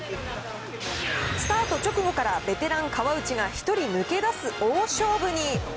スタート直後からベテラン、川内が１人抜け出す大勝負に。